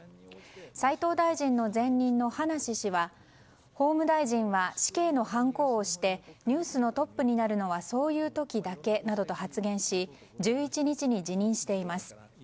齋藤大臣の前任の葉梨氏は法務大臣は死刑のはんこを押してニュースのトップになるのはそういう時だけなどと発言し１１日に辞任しています。